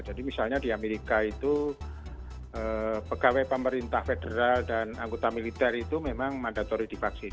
jadi misalnya di amerika itu pegawai pemerintah federal dan anggota militer itu memang mandatori divaksin